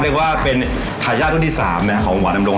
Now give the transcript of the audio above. เรียกว่าเป็นทายาทรุ่นที่๓นะของหวานดำรง